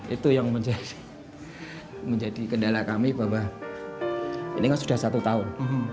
itu yang menjadi kendala kami bahwa ini kan sudah satu tahun